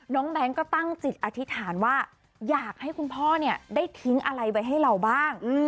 แก๊งก็ตั้งจิตอธิษฐานว่าอยากให้คุณพ่อเนี่ยได้ทิ้งอะไรไว้ให้เราบ้าง